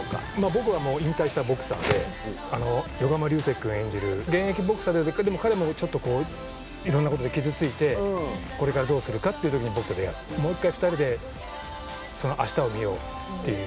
僕は引退したボクサーで横浜流星くん演じる現役ボクサーだけどもいろんなことで傷ついてこれからどうするかって時に僕と出会ってもう１回２人であしたを見ようっていう。